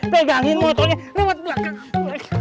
pegangin motornya lewat belakang